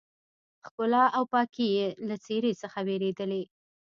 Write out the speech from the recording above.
ښکلا او پاکي يې له څېرې څخه ورېدلې.